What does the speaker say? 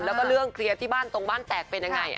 แล้วก็เรื่องเคลียร์ที่บ้านตรงบ้านแตกเป็นยังไง